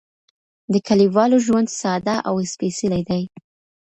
د کليوالو ژوند ساده او سپېڅلی دی.